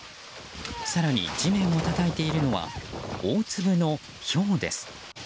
更に地面をたたいているのは大粒のひょうです。